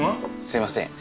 すいません。